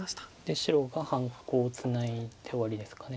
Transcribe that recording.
で白が半コウをツナいで終わりですか。